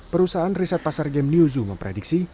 perusahaan riset pasar game newzoo memprediksi